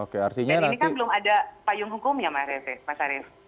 dan ini kan belum ada payung hukum ya pak arief